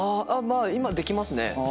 今できますね。